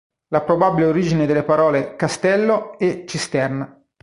La probabile origine delle parole "Castello" e "Cisterna".